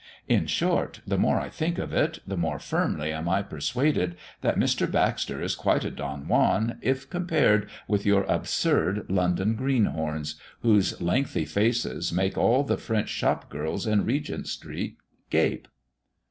In short, the more I think of it, the more firmly am I persuaded, that Mr. Baxter is quite a Don Juan if compared with your absurd London greenhorns, whose lengthy faces make all the French shop girls in Regent street gape."